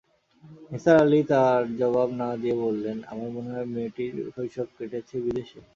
নিসার আলি তার জবাব না-দিয়ে বললেন, আমার মনে হয় মেয়েটির শৈশব কেটেছে বিদেশে।